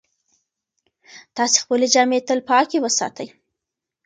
تاسې خپلې جامې تل پاکې وساتئ.